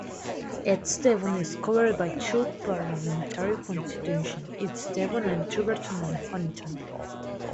East Devon is covered by two Parliamentary constituencies, East Devon and Tiverton and Honiton.